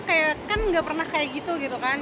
kayak kan nggak pernah kayak gitu gitu kan